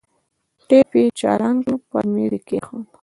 ټېپ يې چالان کړ پر ميز يې کښېښود.